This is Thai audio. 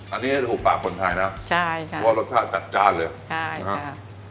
อันนี้ถูกปากคนไทยนะใช่ค่ะเพราะว่ารสชาติจัดจ้านเลยใช่นะครับ